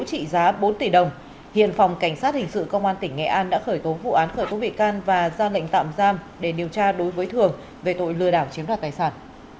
cơ quan công an thu giữ trị giá bốn tỷ đồng hiện phòng cảnh sát hình sự công an tỉnh nghệ an đã khởi tố vụ án khởi tố bị can và ra lệnh tạm giam để điều tra đối với thường về tội lừa đảo chiếm đoạt tài sản